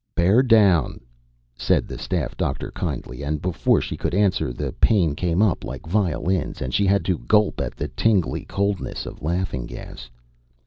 "Bear down," said the staff doctor kindly, and before she could answer, the pain came up like violins and she had to gulp at the tingly coldness of laughing gas.